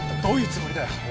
どういうつもりだよ？